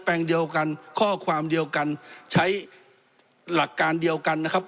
ลงเดียวกันข้อความเดียวกันใช้หลักการเดียวกันนะครับ